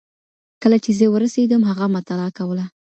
کله چي زه ورسېدم هغه مطالعه کوله.